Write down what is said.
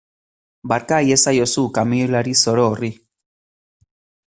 Barka iezaiozu kamioilari zoro horri.